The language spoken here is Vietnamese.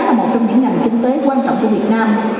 là một trong những ngành kinh tế quan trọng của việt nam